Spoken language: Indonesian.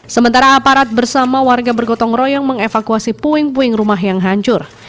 sementara aparat bersama warga bergotong royong mengevakuasi puing puing rumah yang hancur